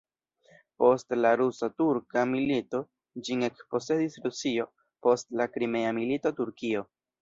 Post la rusa-turka milito, ĝin ekposedis Rusio, post la Krimea milito Turkio.